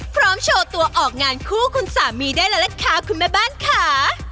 โชว์ตัวออกงานคู่คุณสามีได้แล้วล่ะค่ะคุณแม่บ้านค่ะ